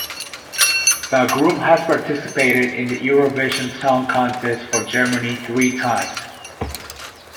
The group has participated in the Eurovision Song Contest for Germany three times.